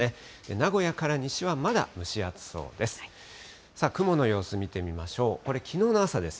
名古屋から西はまだ蒸し暑そうです。